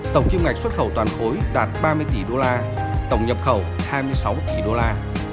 tổng kim ngạch xuất khẩu toàn khối đạt ba mươi tỷ đô la tổng nhập khẩu hai mươi sáu tỷ đô la